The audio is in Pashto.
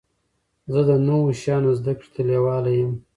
زه د نوو شیانو زده کړي ته لېواله يم.